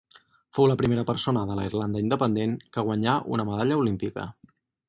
Fou la primera persona de la Irlanda independent que guanyà una medalla olímpica.